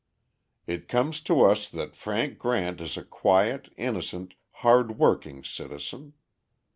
It comes to us that Frank Grant is a quiet, innocent, hard working citizen.